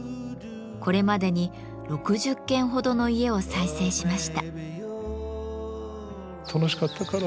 これまでに６０軒ほどの家を再生しました。